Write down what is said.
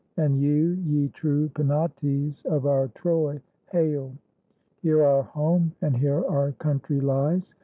And you, ye true Penates of our Troy, Hail! Here our home, and here our country lies.